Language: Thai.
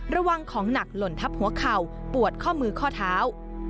ระวังของหนักหล่นทับหัวเข่าปวดข้อมือข้อเท้า